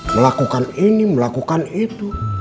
melakukan ini melakukan itu